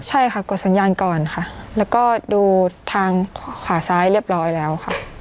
ใช่ค่ะกดสัญญาณก่อนค่ะแล้วก็ดูทางขาซ้ายเรียบร้อยแล้วค่ะ